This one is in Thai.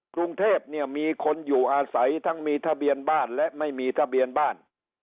กรุงเทพเนี่ยมีคนอยู่อาศัยทั้งมีทะเบียนบ้านและไม่มีทะเบียนบ้าน